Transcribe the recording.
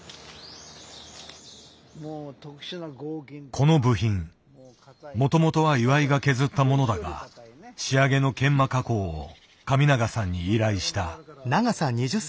この部品もともとは岩井が削ったものだが仕上げの研磨加工を神永さんに依頼した。